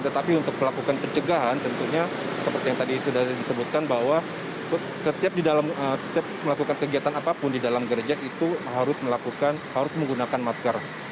tetapi untuk melakukan pencegahan tentunya seperti yang tadi sudah disebutkan bahwa setiap melakukan kegiatan apapun di dalam gereja itu harus melakukan harus menggunakan masker